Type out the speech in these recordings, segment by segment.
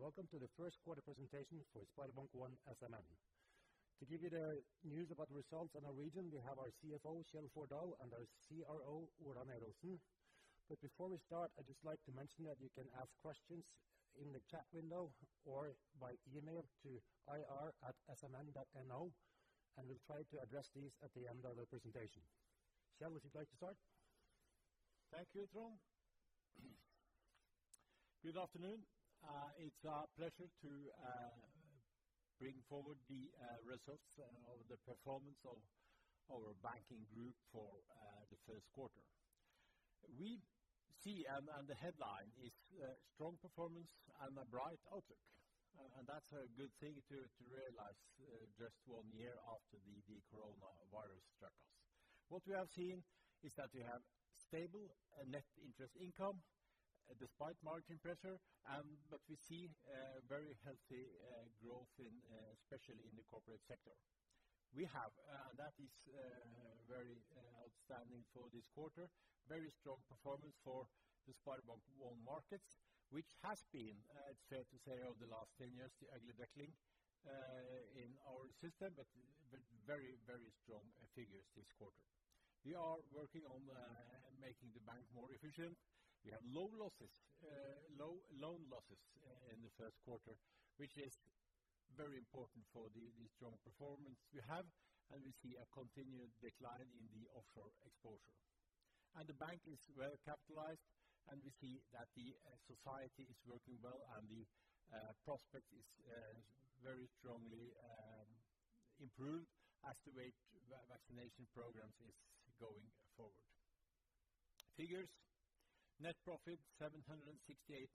Hello, and welcome to the First Quarter Presentation for SpareBank 1 SMN. To give you the news about the results in our region, we have our CFO, Kjell Fordal, and our CRO, Ola Neråsen. Before we start, I'd just like to mention that you can ask questions in the chat window or by email to ir@smn.no, and we'll try to address these at the end of the presentation. Kjell, would you like to start? Thank you, Trond. Good afternoon. It's a pleasure to bring forward the results of the performance of our banking group for the first quarter. We see, and the headline is, strong performance and a bright outlook. That's a good thing to realize just one year after the coronavirus struck us. What we have seen is that we have stable net interest income despite margin pressure, but we see very healthy growth especially in the corporate sector. That is very outstanding for this quarter. Very strong performance for the SpareBank 1 Markets, which has been, it's fair to say, over the last 10 years, the ugly duckling in our system, but very strong figures this quarter. We are working on making the bank more efficient. We have low loan losses in the first quarter, which is very important for the strong performance we have. We see a continued decline in the offshore exposure. The bank is well capitalized. We see that the society is working well and the prospect is very strongly improved as the vaccination programs is going forward. Figures, net profit 768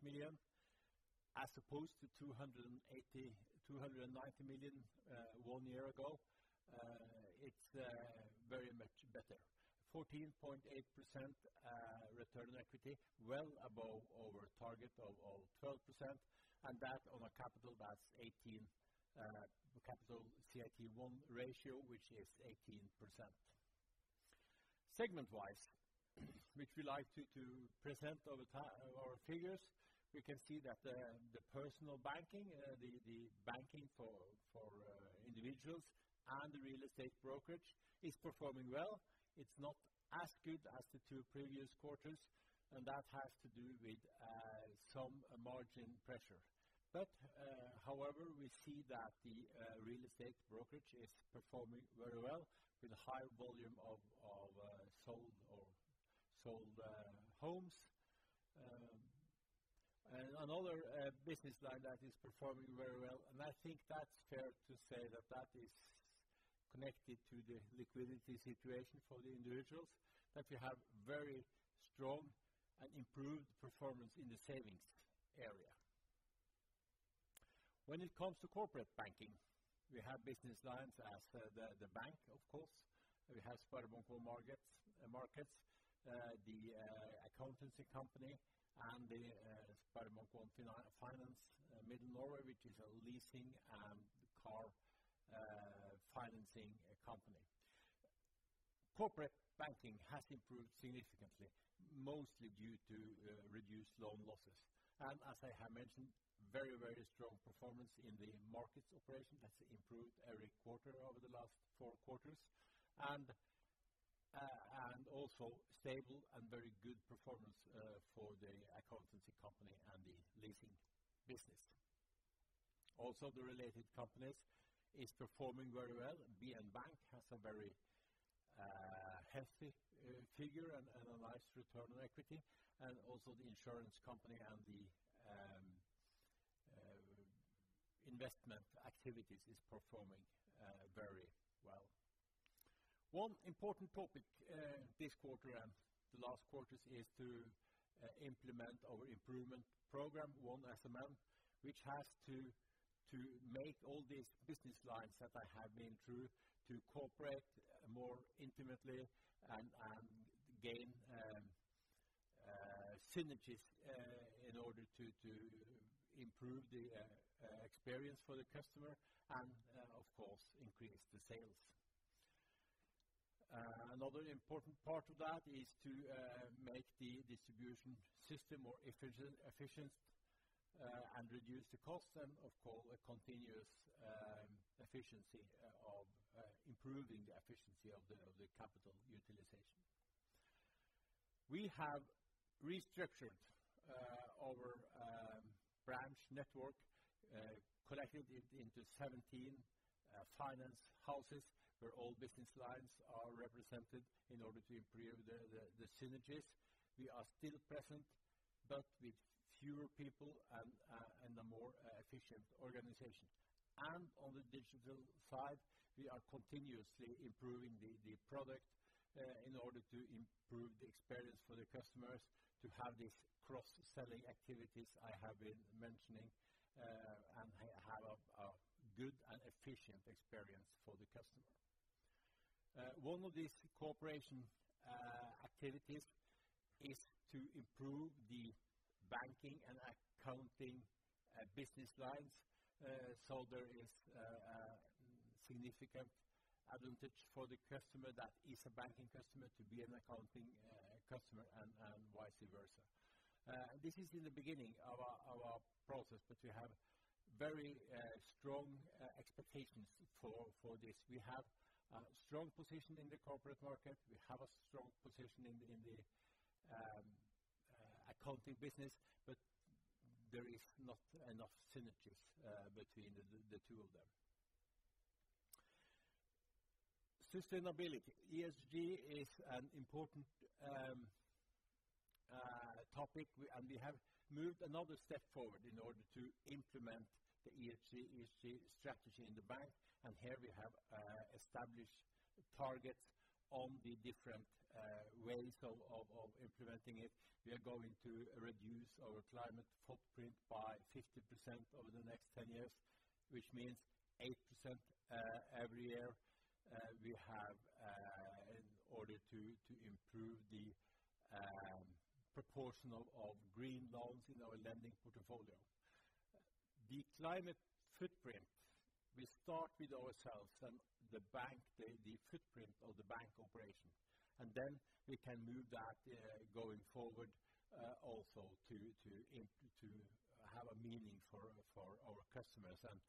million as opposed to 290 million one year ago. It's very much better. 14.8% return on equity, well above our target of 12%. That on a capital that's 18% capital CET1 ratio, which is 18%. Segment-wise, which we like to present our figures, we can see that the personal banking, the banking for individuals and the real estate brokerage is performing well. It's not as good as the two previous quarters. That has to do with some margin pressure. However, we see that the real estate brokerage is performing very well with a higher volume of sold homes. Another business line that is performing very well, and I think that's fair to say that that is connected to the liquidity situation for the individuals, that we have very strong and improved performance in the savings area. When it comes to corporate banking, we have business lines as the bank, of course. We have SpareBank 1 Markets, the accountancy company, and the SpareBank 1 Finans Midt-Norge, which is a leasing and car financing company. Corporate banking has improved significantly, mostly due to reduced loan losses. As I have mentioned, very strong performance in the markets operation that's improved every quarter over the last four quarters, and also stable and very good performance for the accountancy company and the leasing business. Also, the related companies is performing very well. BN Bank has a very healthy figure and a nice return on equity. Also the insurance company and the investment activities is performing very well. One important topic this quarter and the last quarters is to implement our improvement program, One SMN, which has to make all these business lines that I have been through to cooperate more intimately and gain synergies in order to improve the experience for the customer and, of course, increase the sales. Another important part of that is to make the distribution system more efficient and reduce the cost and, of course, a continuous efficiency of improving the efficiency of the capital utilization. We have restructured our branch network, collected into 17 finance houses where all business lines are represented in order to improve the synergies. We are still present, but with fewer people and a more efficient organization. On the digital side, we are continuously improving the product in order to improve the experience for the customers to have these cross-selling activities I have been mentioning and have a good and efficient experience for the customer. One of these cooperation activities is to improve the banking and accounting business lines, so there is a significant advantage for the customer that is a banking customer to be an accounting customer and vice versa. This is in the beginning of our process, but we have very strong expectations for this. We have a strong position in the corporate market. We have a strong position in the accounting business, but there is not enough synergies between the two of them. Sustainability. ESG is an important topic. We have moved another step forward in order to implement the ESG strategy in the bank, and here we have established targets on the different ways of implementing it. We are going to reduce our climate footprint by 50% over the next 10 years, which means 8% every year. We have, in order to improve the proportion of green loans in our lending portfolio. The climate footprint, we start with ourselves and the footprint of the bank operation. Then we can move that, going forward, also to have a meaning for our customers and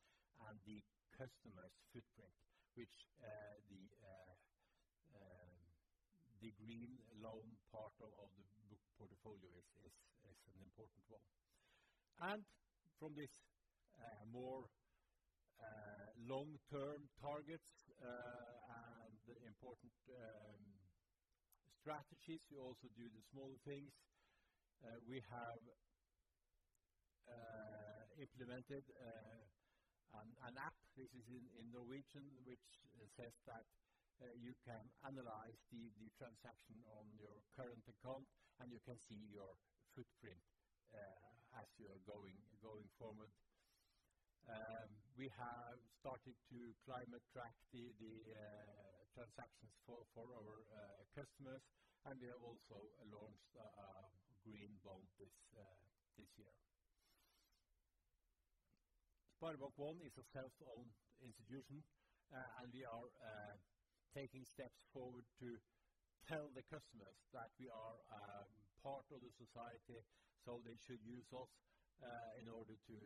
the customer's footprint, which the green loan part of the book portfolio is an important one. From this more long-term targets and the important strategies, we also do the small things. We have implemented an app. This is in Norwegian, which says that you can analyze the transaction on your current account, and you can see your footprint as you are going forward. We have started to climate track the transactions for our customers, and we have also launched a green bond this year. SpareBank 1 is a self-owned institution. We are taking steps forward to tell the customers that we are a part of the society, so they should use us in order to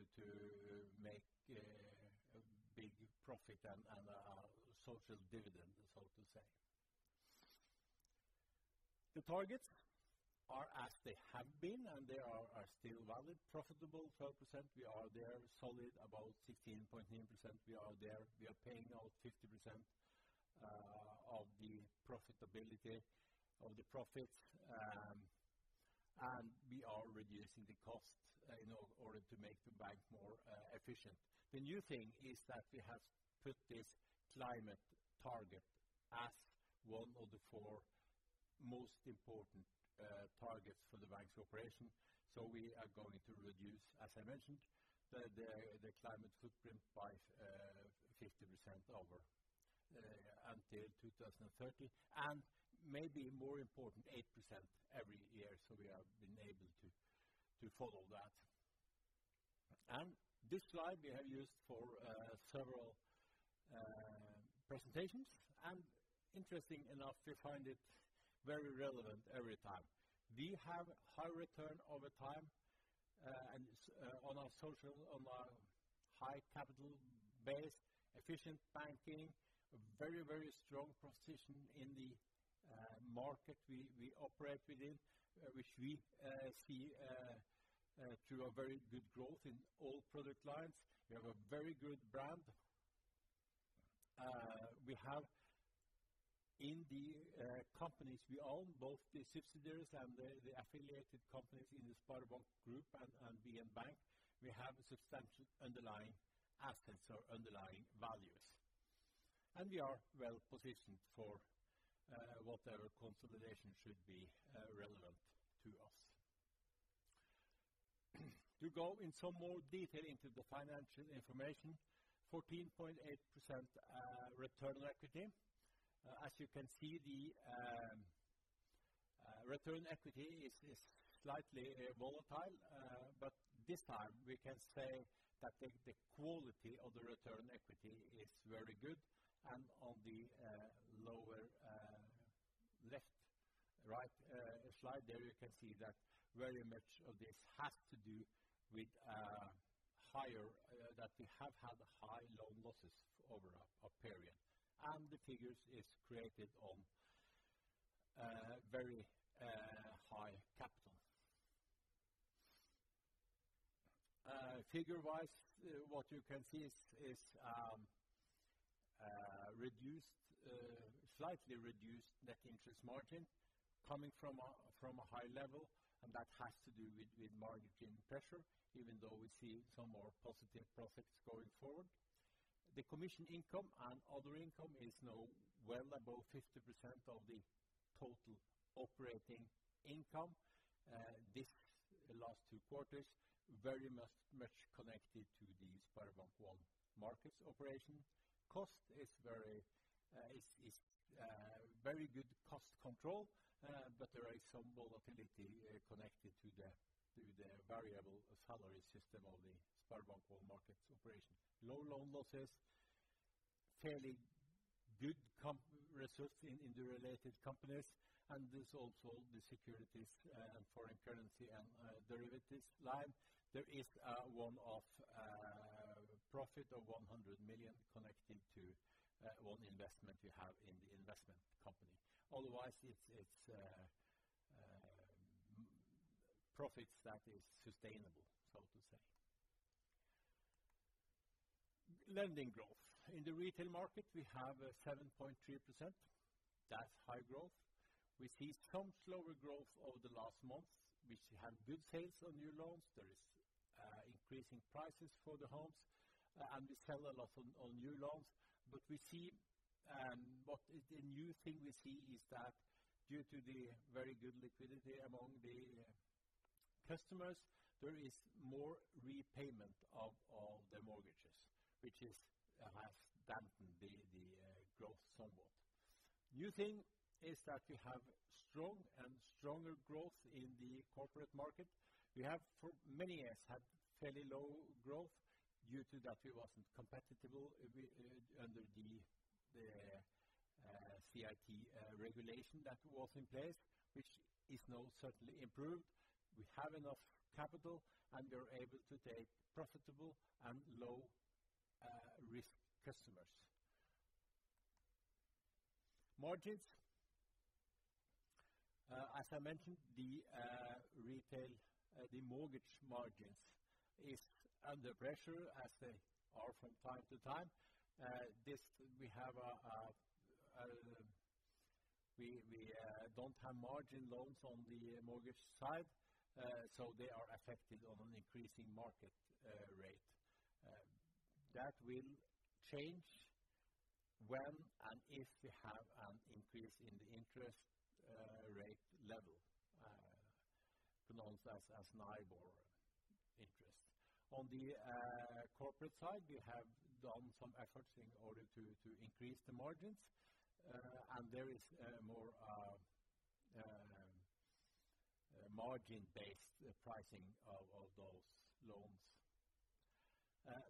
make a big profit and a social dividend, so to say. The targets are as they have been, and they are still valid. Profitable 12%, we are there. Solid about 16.9%, we are there. We are paying out 50% of the profitability or the profit, and we are reducing the cost in order to make the bank more efficient. The new thing is that we have put this climate target as one of the four most important targets for the bank's operation. We are going to reduce, as I mentioned, the climate footprint by 50% until 2030, and maybe more important, 8% every year. This slide we have used for several presentations, and interesting enough, we find it very relevant every time. We have high return over time and on our high capital base, efficient banking, very strong position in the market we operate within, which we see through a very good growth in all product lines. We have a very good brand. In the companies we own, both the subsidiaries and the affiliated companies in the SpareBank Group and BN Bank, we have substantial underlying assets or underlying values. We are well positioned for whatever consolidation should be relevant to us. To go in some more detail into the financial information, 14.8% return on equity. As you can see, the return equity is slightly volatile. This time we can say that the quality of the return equity is very good, and on the lower right slide there, you can see that very much of this has to do with that we have had high loan losses over a period. The figures is created on very high capital. Figure-wise, what you can see is slightly reduced net interest margin coming from a high level, and that has to do with margin pressure, even though we see some more positive prospects going forward. The commission income and other income is now well above 50% of the total operating income. This last two quarters, very much connected to the SpareBank 1 Markets operation. Cost is very good cost control, but there is some volatility connected to the variable salary system of the SpareBank 1 Markets operation. Low loan losses, fairly good results in the related companies, and there's also the securities and foreign currency and derivatives line. There is one-off profit of 100 million connected to one investment we have in the investment company. Otherwise, it's profits that is sustainable, so to say. Lending growth. In the retail market, we have 7.3%. That's high growth. We see some slower growth over the last months. We had good sales on new loans. There is increasing prices for the homes, and we sell a lot on new loans. The new thing we see is that due to the very good liquidity among the customers, there is more repayment of the mortgages, which has dampened the growth somewhat. New thing is that we have strong and stronger growth in the corporate market. We have for many years had fairly low growth due to that we wasn't competitive under the CRD regulation that was in place, which is now certainly improved. We have enough capital, and we are able to take profitable and low-risk customers. Margins. As I mentioned, the mortgage margins is under pressure as they are from time to time. We don't have margin loans on the mortgage side, so they are affected on an increasing market rate. That will change when and if we have an increase in the interest rate level, known as NIBOR interest. On the corporate side, we have done some efforts in order to increase the margins, and there is more margin-based pricing of those loans.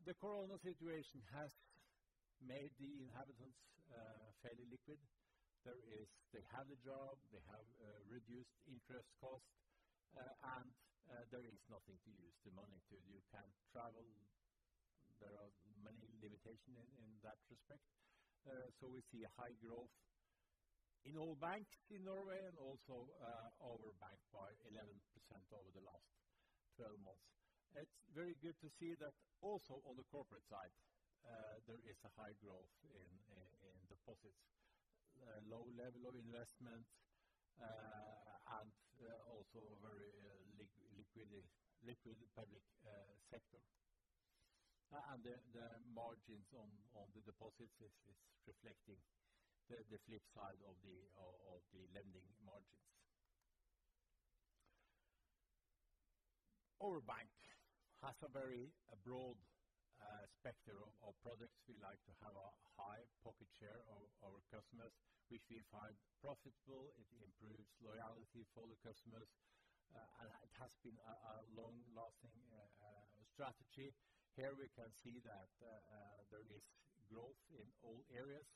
The COVID situation has made the inhabitants fairly liquid. They have a job, they have reduced interest cost, and there is nothing to use the money to. You can't travel. There are many limitations in that respect. We see high growth in all banks in Norway and also our bank by 11% over the last 12 months. It's very good to see that also on the corporate side, there is a high growth in deposits, low level of investment, and also very liquid public sector. The margins on the deposits is reflecting the flip side of the lending margins. Our bank has a very broad spectrum of products. We like to have a high pocket share of our customers, which we find profitable. It improves loyalty for the customers. It has been a long-lasting strategy. Here we can see that there is growth in all areas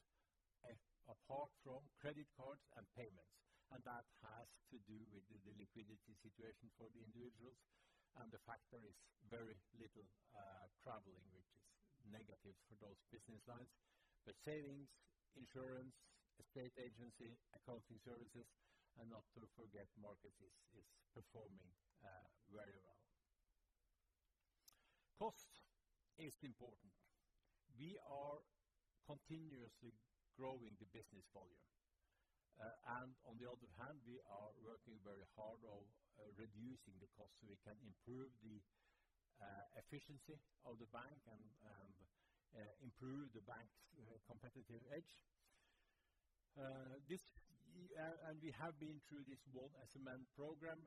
apart from credit cards and payments. That has to do with the liquidity situation for the individuals and the fact there is very little traveling, which is negative for those business lines. Savings, insurance, estate agency, accounting services, and not to forget markets is performing very well. Cost is important. We are continuously growing the business volume. On the other hand, we are working very hard on reducing the cost so we can improve the efficiency of the bank and improve the bank's competitive edge. We have been through this 1 SMN program,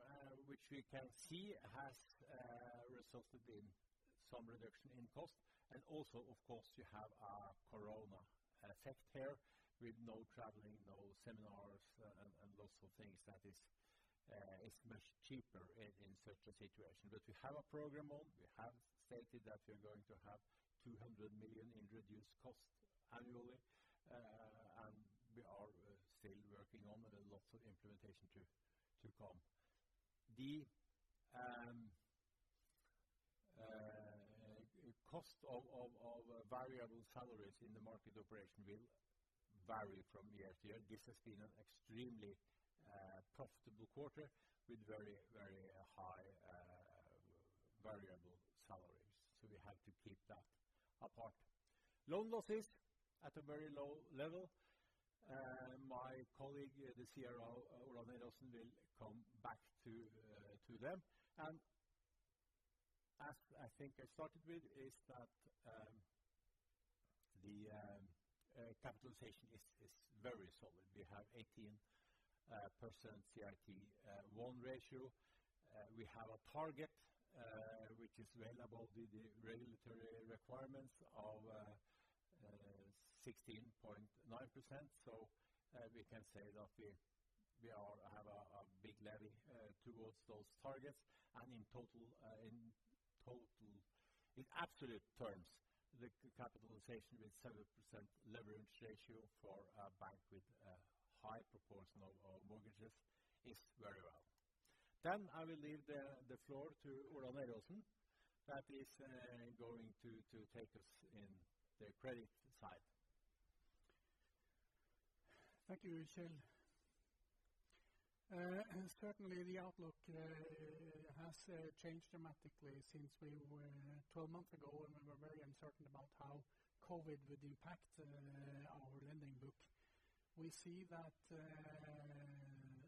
which we can see has resulted in some reduction in cost. Also, of course, you have a COVID effect here with no traveling, no seminars, and lots of things that is much cheaper in such a situation. We have stated that we're going to have 200 million in reduced cost annually, and we are still working on lots of implementation to come. The cost of variable salaries in the market operation will vary from year to year. This has been an extremely profitable quarter with very high variable salaries. We have to keep that apart. Loan losses at a very low level. My colleague, the CRO, Ola Neråsen, will come back to them. As I think I started with is that the capitalization is very solid. We have 18 percent CET1 ratio. We have a target which is well above the regulatory requirements of 16.9%. We can say that we have a big levy towards those targets and in absolute terms, the capitalization with 7% leverage ratio for a bank with a high proportion of mortgages is very well. I will leave the floor to Ola Neråsen that is going to take us in the credit side. Thank you, Kjell. Certainly, the outlook has changed dramatically since 12 months ago when we were very uncertain about how COVID would impact our lending book. We see that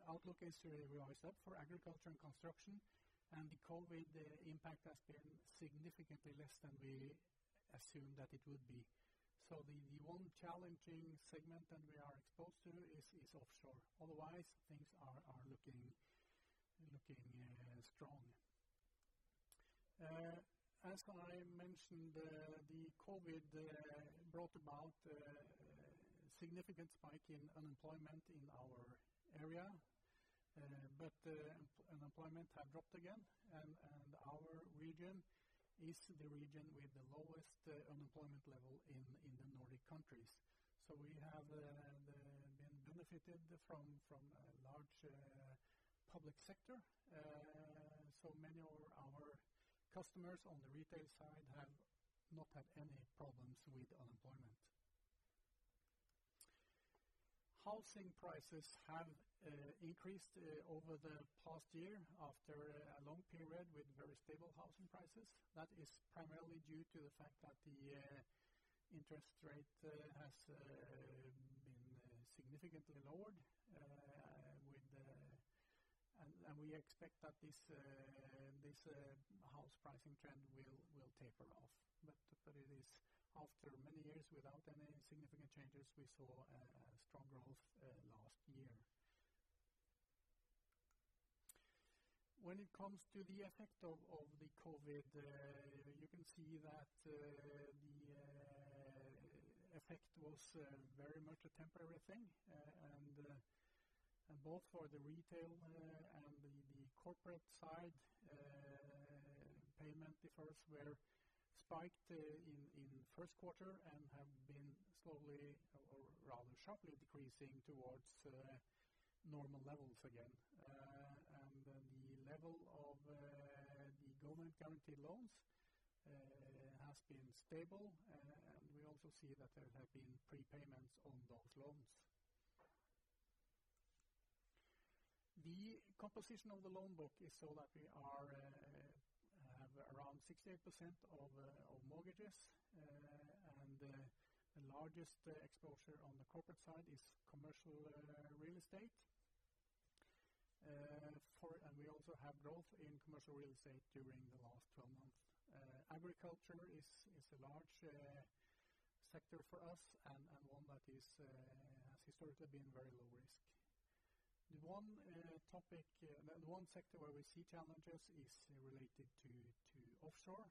outlook is revised up for agriculture and construction, the COVID impact has been significantly less than we assumed that it would be. The one challenging segment that we are exposed to is offshore. Otherwise, things are looking strong. As I mentioned, the COVID brought about a significant spike in unemployment in our area. Unemployment have dropped again and our region is the region with the lowest unemployment level in the Nordic countries. We have benefited from a large public sector. Many of our customers on the retail side have not had any problems with unemployment. Housing prices have increased over the past year after a long period with very stable housing prices. That is primarily due to the fact that the interest rate has been significantly lowered, and we expect that this house pricing trend will taper off. It is after many years without any significant changes, we saw a strong growth last year. When it comes to the effect of the COVID, you can see that the effect was very much a temporary thing, and both for the retail and the corporate side, payment defaults were spiked in first quarter and have been slowly or rather sharply decreasing towards normal levels again. The level of the government-guaranteed loans has been stable. We also see that there have been prepayments on those loans. The composition of the loan book is so that we have around 68% of mortgages, and the largest exposure on the corporate side is commercial real estate. We also have growth in commercial real estate during the last 12 months. Agriculture is a large sector for us and one that has historically been very low risk. The one sector where we see challenges is related to offshore,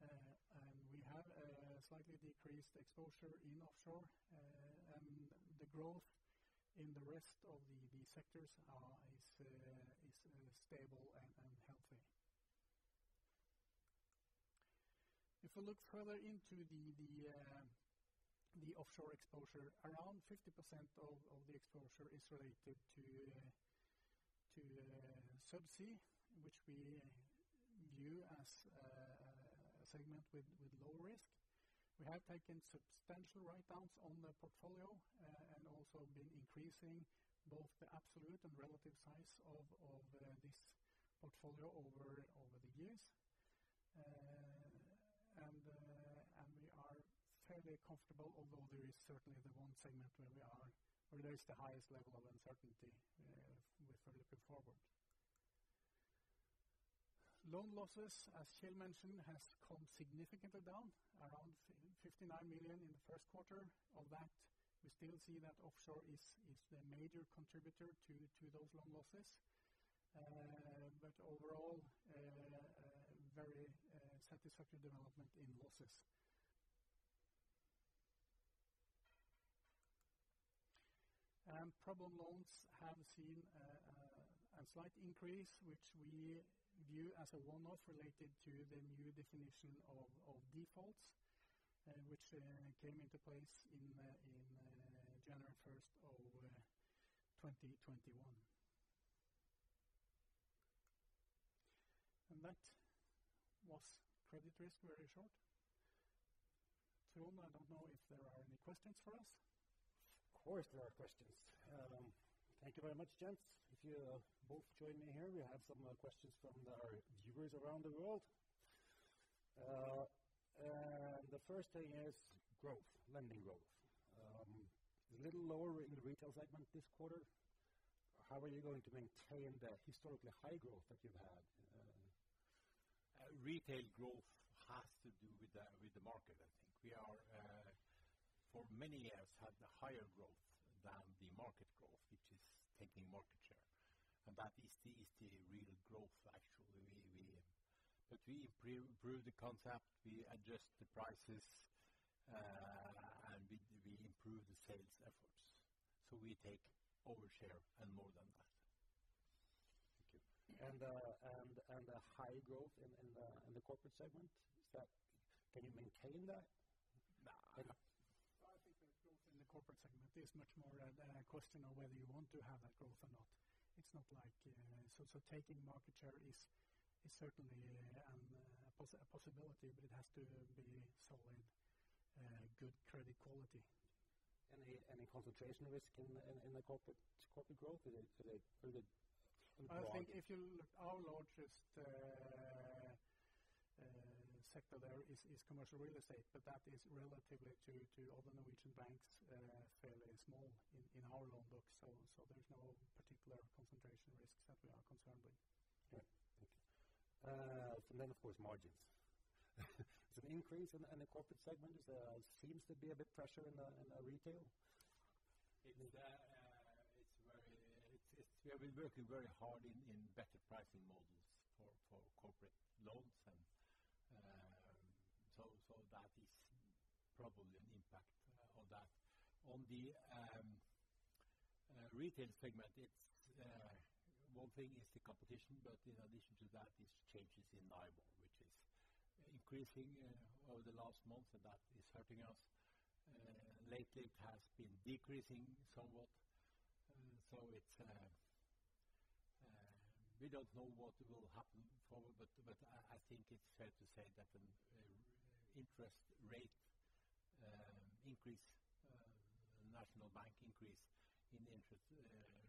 and we have a slightly decreased exposure in offshore. The growth in the rest of the sectors is stable and healthy. If we look further into the offshore exposure, around 50% of the exposure is related to subsea, which we view as a segment with low risk. We have taken substantial write-downs on the portfolio and also been increasing both the absolute and relative size of this portfolio over the years. We are fairly comfortable, although there is certainly the one segment where there is the highest level of uncertainty if we are looking forward. Loan losses, as Kjell mentioned, has come significantly down around 59 million in the first quarter. Of that, we still see that offshore is the major contributor to those loan losses. Overall, very satisfactory development in losses. Problem loans have seen a slight increase, which we view as a one-off related to the new definition of defaults, which came into place in January 1, 2021. That was credit risk very short. Trond, I don't know if there are any questions for us. Of course, there are questions. Thank you very much, gents. If you both join me here, we have some questions from our viewers around the world. The first thing is growth, lending growth. It's a little lower in the retail segment this quarter. How are you going to maintain the historically high growth that you've had? Retail growth has to do with the market, I think. We for many years had higher growth than the market growth, which is taking market share, and that is the real growth, actually. We improve the concept, we adjust the prices, and we improve the sales efforts. We take overshare and more than that. Thank you. The high growth in the corporate segment, can you maintain that? No. I think the growth in the corporate segment is much more a question of whether you want to have that growth or not. Taking market share is certainly a possibility, but it has to be solid, good credit quality. Any concentration risk in the corporate growth? Is it broad? I think our largest sector there is commercial real estate, but that is relatively, to other Norwegian banks, fairly small in our loan book, so there is no particular concentration risks that we are concerned with. Right. Thank you. Of course, margins. The increase in the corporate segment, there seems to be a bit pressure in the retail. We've been working very hard in better pricing models for corporate loans. That is probably an impact on that. On the retail segment, one thing is the competition. In addition to that, it's changes in NIBOR, which is increasing over the last month, and that is hurting us. Lately, it has been decreasing somewhat. We don't know what will happen forward. I think it's fair to say that an interest rate increase, national bank increase in interest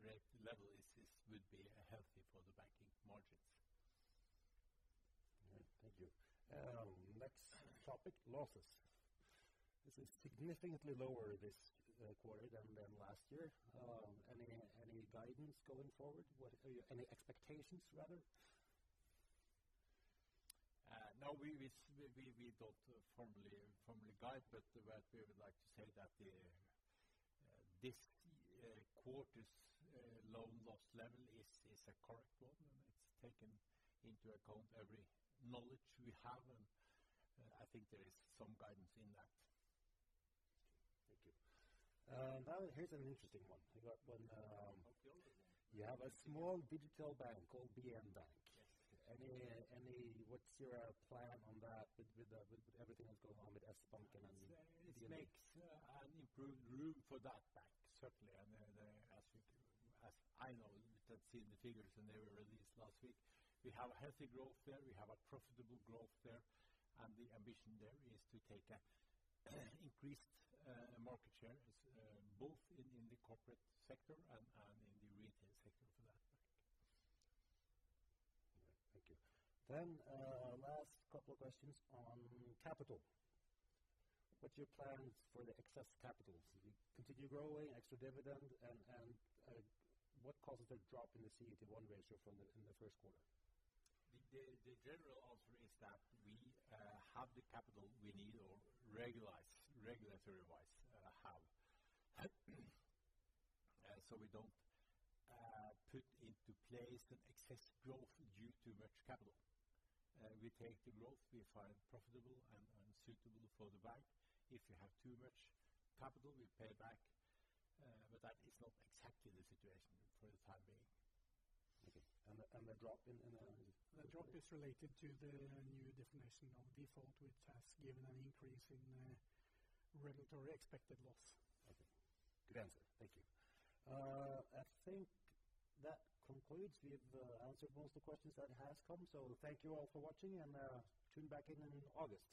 rate level would be healthy for the banking margins. Thank you. Next topic, losses. This is significantly lower this quarter than last year. Any guidance going forward? Any expectations, rather? We don't formally guide, but what we would like to say that this quarter's loan loss level is a correct one. It's taken into account every knowledge we have, and I think there is some guidance in that. Thank you. here's an interesting one. You have a small digital bank called BN Bank. Yes. What's your plan on that with everything that's going on with Sbanken and DNB? This makes an improved room for that bank, certainly. As I know, you can see the figures when they were released last week. We have a healthy growth there. We have a profitable growth there, and the ambition there is to take an increased market share, both in the corporate sector and in the retail sector for that bank. Thank you. Last couple of questions on capital. What's your plan for the excess capitals? Do you continue growing, extra dividend? What causes the drop in the CET1 ratio from the first quarter? The general answer is that we have the capital we need or regulatory-wise have. We don't put into place an excess growth due to much capital. We take the growth we find profitable and suitable for the bank. If we have too much capital, we pay back. That is not exactly the situation for the time being. Okay. The drop is related to the new definition of default, which has given an increase in regulatory expected loss. Okay. Good answer. Thank you. I think that concludes. We've answered most of the questions that have come. Thank you all for watching and tune back in in August.